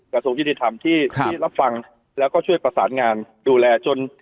กระทรวงยุติธรรมที่รับฟังแล้วก็ช่วยประสานงานดูแลจน